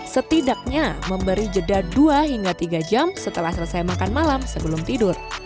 setidaknya memberi jeda dua hingga tiga jam setelah selesai makan malam sebelum tidur